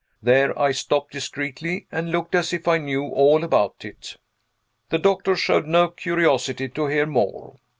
There I stopped discreetly, and looked as if I knew all about it. The doctor showed no curiosity to hear more.